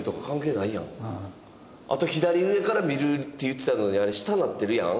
あと左上から見るって言ってたのにあれ下になってるやん。